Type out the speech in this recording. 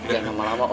gak lama lama om